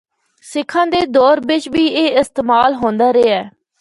سکھاں دے دور بچ بھی اے استعمال ہوندا رہیا۔